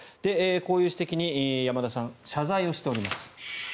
こういう指摘に山田さんは謝罪をしております。